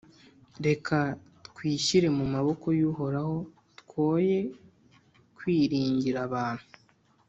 Reka twishyire mu maboko y’Uhoraho, twoye kwiringira abantu,